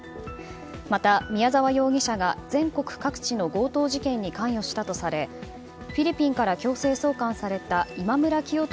また、宮沢容疑者が全国各地の強盗事件に関与したとされフィリピンから強制送還された今村磨人